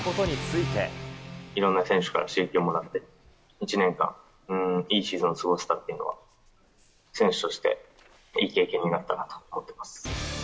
いろんな選手から刺激をもらって、１年間、いいシーズンを過ごせたというのは、選手としていい経験になったなと思っています。